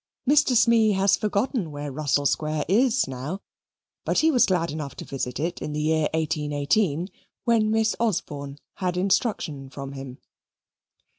Mr. Smee has forgotten where Russell Square is now, but he was glad enough to visit it in the year 1818, when Miss Osborne had instruction from him.